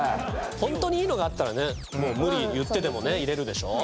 ホントにいいのがあったらね無理言ってでもね入れるでしょ。